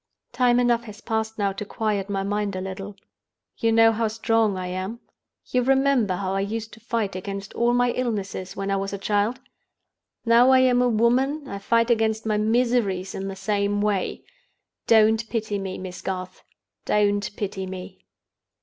"Time enough has passed now to quiet my mind a little. You know how strong I am? You remember how I used to fight against all my illnesses when I was a child? Now I am a woman, I fight against my miseries in the same way. Don't pity me, Miss Garth! Don't pity me!